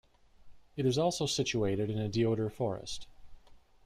It is also situated in a deodar forest.